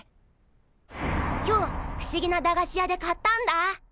今日ふしぎな駄菓子屋で買ったんだ。